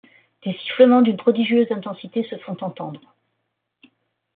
Des sifflements d’une prodigieuse intensité se font entendre.